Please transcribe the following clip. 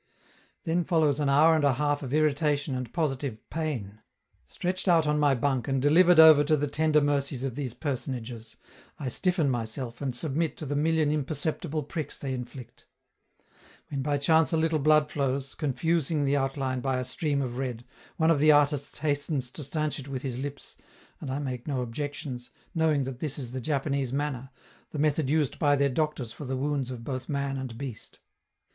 Then follows an hour and a half of irritation and positive pain. Stretched out on my bunk and delivered over to the tender mercies of these personages, I stiffen myself and submit to the million imperceptible pricks they inflict. When by chance a little blood flows, confusing the outline by a stream of red, one of the artists hastens to stanch it with his lips, and I make no objections, knowing that this is the Japanese manner, the method used by their doctors for the wounds of both man and beast.